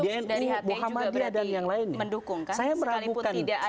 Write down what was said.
terutama dari hti juga berarti mendukung